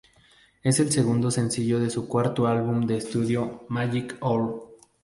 Es el segundo sencillo de su cuarto álbum de estudio, "Magic Hour".